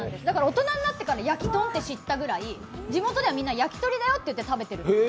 だから、大人になってからやきトンって知ったぐらい、地元ではみんな、やきとりだよって言って食べてる。